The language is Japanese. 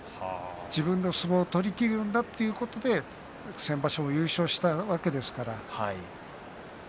自分の相撲を取りきるんだということで先場所、優勝したわけですから。